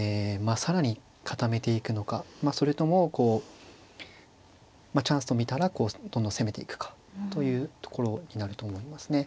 更に固めていくのかそれともチャンスと見たらどんどん攻めていくかというところになると思いますね。